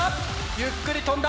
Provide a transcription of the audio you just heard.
ゆっくり飛んだ。